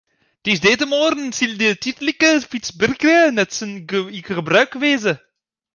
Tiisdeitemoarn sil de tydlike fytsbrêge net yn gebrûk wêze.